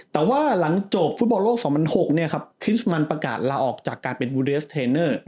แต่ว่าหลังจบฟุตบอลโลก๒๐๐๖คริสมันประกาศลาออกจากการเป็นบูเดสเทนเนอร์